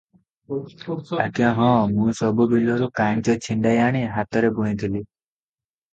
ଆଜ୍ଞା ହଁ- ମୁଁ ସବୁ ବିଲରୁ କାଂଇଚ ଛିଣ୍ଡାଇ ଆଣି ହାତରେ ବୁଣିଥିଲି ।